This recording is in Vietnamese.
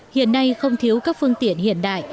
hiện nay không thiếu các phương tiện hiện đại